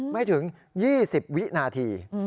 ไม่ถึง๒๐วินาที